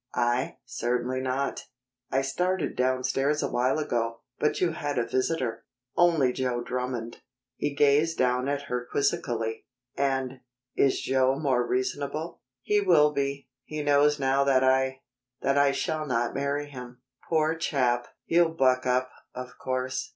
"I? Certainly not. I started downstairs a while ago, but you had a visitor." "Only Joe Drummond." He gazed down at her quizzically. "And is Joe more reasonable?" "He will be. He knows now that I that I shall not marry him." "Poor chap! He'll buck up, of course.